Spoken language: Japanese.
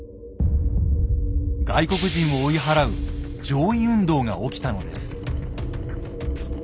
外国人を追い払う「攘夷運動」が起きたのです。